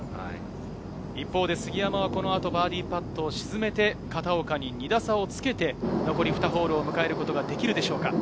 一方で杉山はこの後バーディーパットを沈めて、片岡に２打差をつけて、残り２ホールを迎えることができるでしょうか。